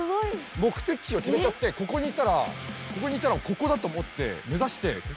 目的地をきめちゃってここに行ったら「ここだ！」と思って目指して。